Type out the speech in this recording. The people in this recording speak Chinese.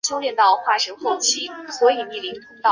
博斯河畔昂克托维尔。